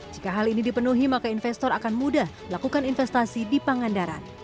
jika hal ini dipenuhi maka investor akan mudah melakukan investasi di pangandaran